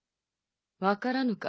分からぬか？